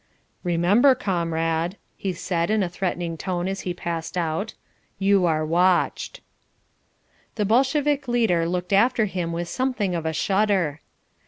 "Remember, comrade," he said in a threatening tone as he passed out, "you are watched." The Bolshevik leader looked after him with something of a shudder.